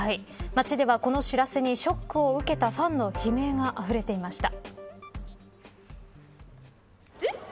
街では、この知らせにショックを受けたファンの悲鳴があふれていました。